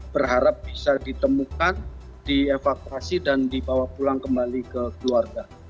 berharap bisa ditemukan dievakuasi dan dibawa pulang kembali ke keluarga